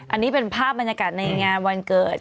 อันนี้เป็นภาพบรรยากาศในงานวันเกิด